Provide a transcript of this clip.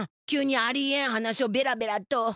急にありえん話をベラベラと。